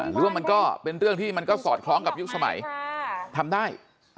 หรือว่ามันก็เป็นเรื่องที่มันก็สอดคล้องกับยุคสมัยทำได้